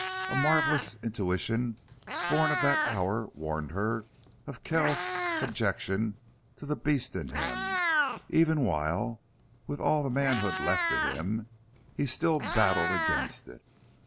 A marvelous intuition born of that hour warned her of Kells's subjection to the beast in him, even while, with all the manhood left to him, he still battled against it.